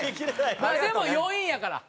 まあでも４位やから。